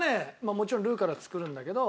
もちろんルーから作るんだけど。